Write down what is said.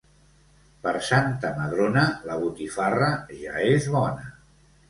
Per Santa Madrona la botifarra ja és bona.